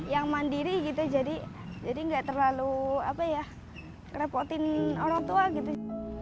yang mandiri gitu jadi gak terlalu kerepotin orang tua gitu